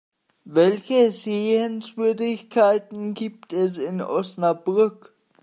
Welche Sehenswürdigkeiten gibt es in Osnabrück?